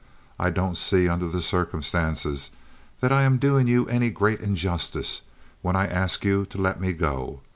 I don't see under the circumstances that I am doing you any great injustice when I ask you to let me go.